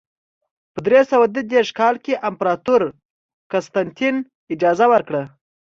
په درې سوه دوه دېرش کال کې امپراتور قسطنطین اجازه ورکړه.